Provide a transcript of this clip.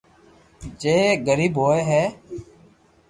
جي غريب ھوئي ھي